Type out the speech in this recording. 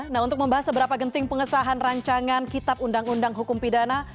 nah untuk membahas seberapa genting pengesahan rancangan kitab undang undang hukum pidana